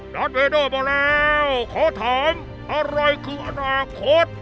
ดาร์ดเวด้อหม่อแล้วขอถามอะไรคืออนาคต